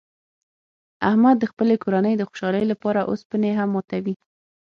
احمد د خپلې کورنۍ د خوشحالۍ لپاره اوسپنې هم ماتوي.